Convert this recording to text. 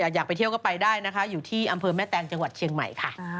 อยากไปเที่ยวก็ไปได้นะคะอยู่ที่อำเภอแม่แตงจังหวัดเชียงใหม่ค่ะ